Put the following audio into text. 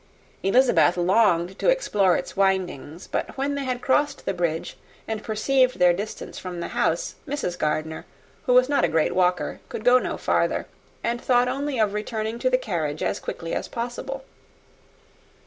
Elizabeth longed to explore its windings; but when they had crossed the bridge, and perceived their distance from the house, Mrs. Gardiner, who was not a great walker, could go no farther, and thought only of returning to the carriage as quickly as possible.